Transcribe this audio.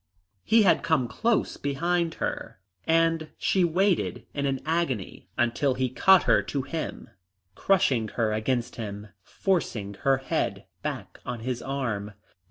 He had come close behind her, and she waited in an agony, until he caught her to him, crushing her against him, forcing her head back on his arm.